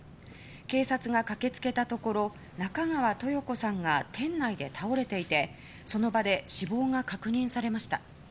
警察が駆け付けたところ中川トヨ子さんが店内で倒れていてその場で死亡が確認されました。